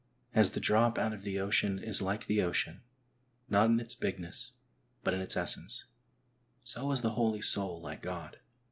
As the drop out of the ocean is like the ocean, not in its bigness, but in its essence, so is the holy soul like God.